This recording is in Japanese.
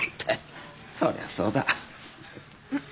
そりゃそうだ。